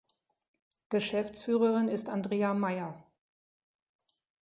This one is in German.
Geschäftsführerin ist Andrea Mayer.